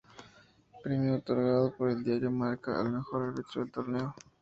Premio otorgado por el Diario Marca al mejor árbitro del torneo.